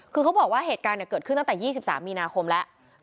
คือเขาบอกว่าเหตุการณ์เกิดขึ้นตั้งแต่๒๓มีนาคมแล้ว